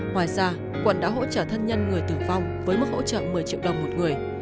ngoài ra quận đã hỗ trợ thân nhân người tử vong với mức hỗ trợ một mươi triệu đồng một người